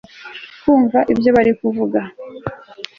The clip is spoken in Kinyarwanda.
kumva ibyo barimo kuvuga